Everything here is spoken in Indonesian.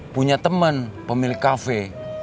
punya temen pemilik cafe